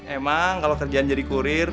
emang kalau kerjaan jadi kurir